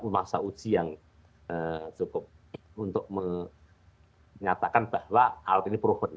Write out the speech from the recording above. masa uji yang cukup untuk menyatakan bahwa alat ini proven